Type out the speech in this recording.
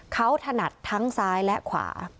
เขาถนัดทั้งซ้ายและขวา